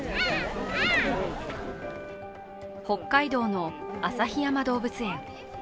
北海道の旭山動物園。